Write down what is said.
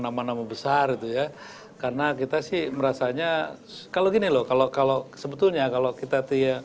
nama nama besar itu ya karena kita sih merasanya kalau gini loh kalau kalau sebetulnya kalau kita